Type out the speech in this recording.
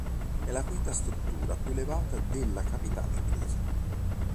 È la quinta struttura più elevata della capitale inglese.